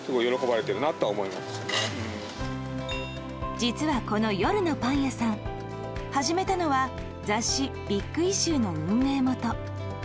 実は、この夜のパン屋さん始めたのは雑誌「ビッグイシュー」の運営元。